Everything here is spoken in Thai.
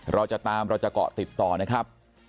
เราจะตามเราจะเกาะติดต่อนะครับ